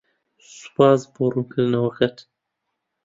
سوپاس بۆ ڕوونکردنەوەکەت.